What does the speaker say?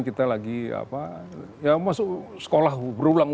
kita lagi apa ya masuk sekolah berulang